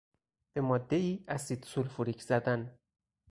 به مادهای اسید سولفوریک زدن